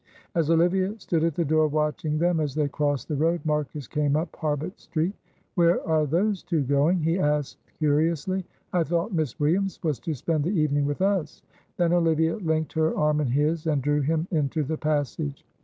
As Olivia stood at the door watching them as they crossed the road, Marcus came up Harbut Street. "Where are those two going?" he asked, curiously. "I thought Miss Williams was to spend the evening with us." Then Olivia linked her arm in his and drew him into the passage.